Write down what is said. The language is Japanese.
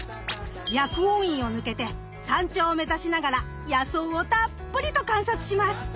薬王院を抜けて山頂を目指しながら野草をたっぷりと観察します。